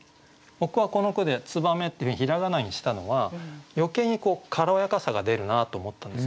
僕はこの句で「つばめ」っていうふうに平仮名にしたのは余計に軽やかさが出るなと思ったんですね。